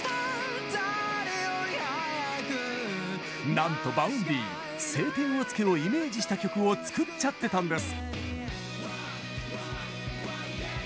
なんと Ｖａｕｎｄｙ「青天を衝け」をイメージした曲を作っちゃってたんです。